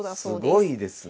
すごいですねえ。